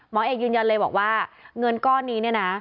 หมอเอกยืนยันเลยบอกว่าเงินก้อนนี้เนี่ยนะ